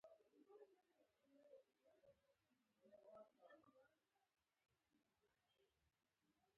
لاندې ولاړم.